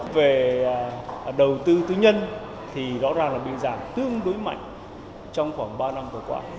về đầu tư tư nhân thì rõ ràng là bị giảm tương đối mạnh trong khoảng ba năm vừa qua